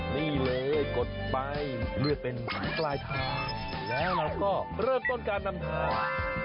นี่เลยกดไปเลือดเป็นปลายทางแล้วเราก็เริ่มต้นการนำทาง